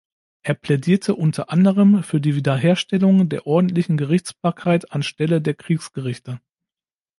Er plädierte unter anderem für die Wiederherstellung der ordentlichen Gerichtsbarkeit an Stelle der Kriegsgerichte.